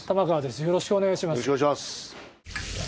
よろしくお願いします。